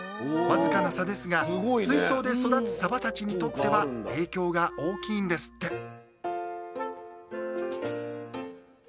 僅かな差ですが水槽で育つサバたちにとっては影響が大きいんですって！